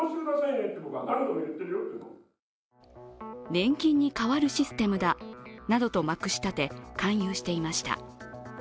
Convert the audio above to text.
年金に代わるシステムだなどとまくし立て、勧誘していました。